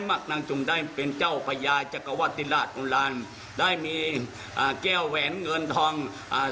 ักนางจุงได้เป็นเจ้าพญาจักรวาติราชโบราณได้มีอ่าแก้วแหวนเงินทองอ่า